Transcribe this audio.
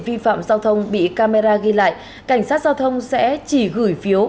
vi phạm giao thông bị camera ghi lại cảnh sát giao thông sẽ chỉ gửi phiếu